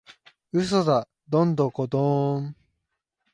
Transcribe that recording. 嘘だドンドコドーン！